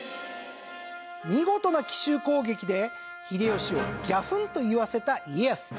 見事な奇襲攻撃で秀吉をギャフンと言わせた家康。